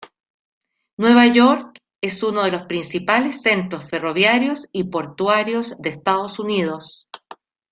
Nueva York es uno de los principales centros ferroviarios y portuarios de Estados Unidos.